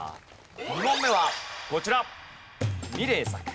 ２問目はこちら。